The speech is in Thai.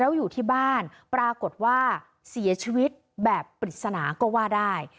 แล้วอยู่ที่บ้านปรากฏว่าเสียชีวิตแบบปริศนาก็ว่าได้